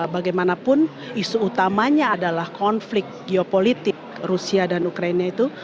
bagaimanapun isu utamanya adalah konflik geopolitik rusia dan ukraina itu